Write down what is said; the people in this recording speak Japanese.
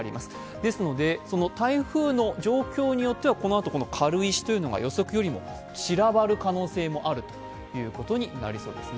ですので、台風の状況によってはこのあと軽石が予測よりも散らばる可能性があるということになりそうですね。